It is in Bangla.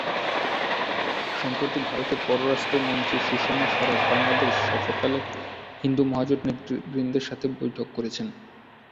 সম্প্রতি ভারতের পররাষ্ট্র মন্ত্রী সুষমা স্বরাজ বাংলাদেশ সফরকালে হিন্দু মহাজোট নেতৃবৃন্দের সাথে বৈঠক করেছেন।